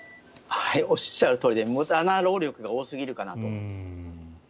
おっしゃるとおりで無駄な労力は多すぎるかなと思います。